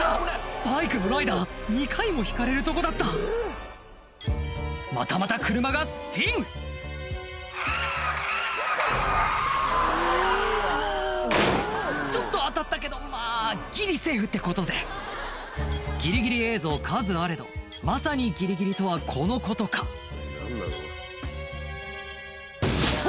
バイクのライダー２回もひかれるとこだったまたまた車がスピンちょっと当たったけどまぁギリセーフってことでギリギリ映像数あれどまさにギリギリとはこのことかうわ！